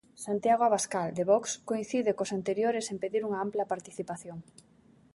Santiago Abascal, de Vox, coincide cos anteriores en pedir unha ampla participación.